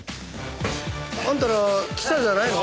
あんたら記者じゃないの？